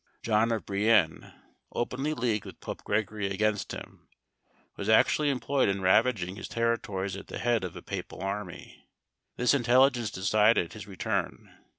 John of Brienne, openly leagued with Pope Gregory against him, was actually employed in ravaging his territories at the head of a papal army. This intelligence decided his return.